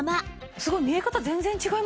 すごい見え方全然違いますね。